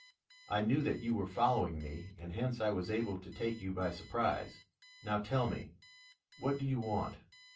I knew that you were following me, and hence I was able to take you by surprise. Now, tell me, what do you want?"